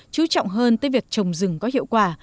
chú trọng hơn tới việc trồng rừng có hiệu quả